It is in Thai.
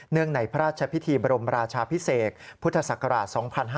เนื่องในพระราชพิธีบรมราชาพิเศกพุทธศักราช๒๕๖๒